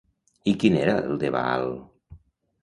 I quin era el de Baal?